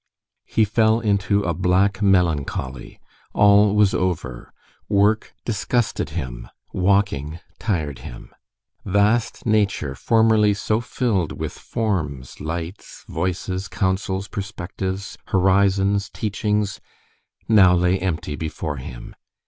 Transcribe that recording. He fell into a black melancholy. All was over. Work disgusted him, walking tired him. Vast nature, formerly so filled with forms, lights, voices, counsels, perspectives, horizons, teachings, now lay empty before him.